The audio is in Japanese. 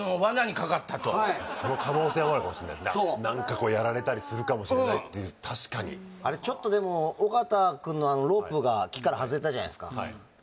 はいその可能性もあるかもしれない何かこうやられたりするかもしれないっていう確かにあれちょっとでも尾形くんのあのロープが木から外れたじゃないですか